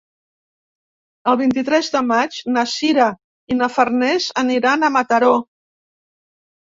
El vint-i-tres de maig na Sira i na Farners aniran a Mataró.